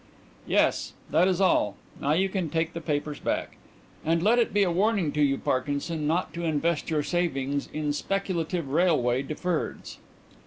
'" "Yes; that is all. Now you can take the papers back. And let it be a warning to you, Parkinson, not to invest your savings in speculative railway deferreds."